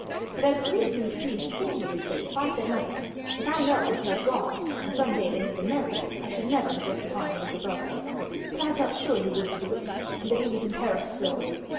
But as Marie seemed pleased to think he was safe, I said nothing; but I know, if he had gone, and some day they had been married, I should never have looked upon him as a brother. But I felt sure he wouldn't do it, and that he was in Paris still.